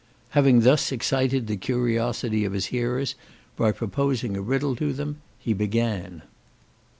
Having thus excited the curiosity of his hearers, by proposing a riddle to them, he began.